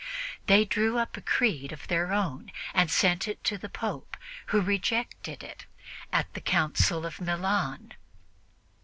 They drew up a creed of their own and sent it to the Pope, who rejected it at the Council of Milan.